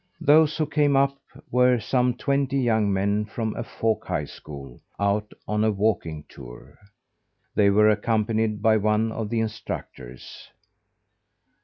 Those who came up were some twenty young men from a folk high school, out on a walking tour. They were accompanied by one of the instructors.